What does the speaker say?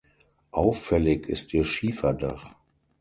Auffällig ist ihr Schieferdach.